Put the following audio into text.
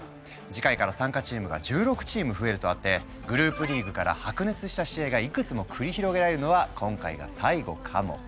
次回から参加チームが１６チーム増えるとあってグループリーグから白熱した試合がいくつも繰り広げられるのは今回が最後かも。